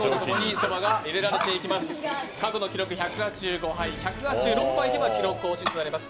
過去の記録１８５杯、１８６杯いけば記録更新となります。